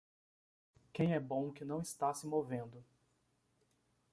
Quem é bom que não está se movendo.